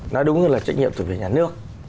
nó đúng như là trách nhiệm thuộc về nhà nước